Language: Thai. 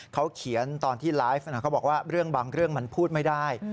เขาเขียนตอนที่ไลฟ์เขาบอกว่าเรื่องบางเรื่องมันพูดไม่ได้